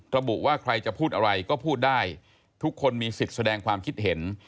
ระบุว่าใครจะพูดอะไรก็พูดได้ทุกคนมีสิทธิ์แสดงความคิดเห็น